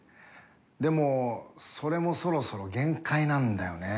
でもそれもそろそろ限界なんだよね。